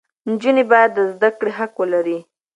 نجونې باید د زده کړې حق ولري.